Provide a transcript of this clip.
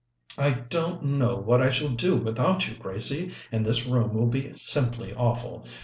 "I don't know what I shall do without you, Gracie, and this room will be simply awful.